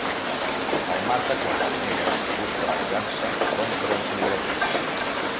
El mata quan s'hi nega i busca venjança contra els llibreters.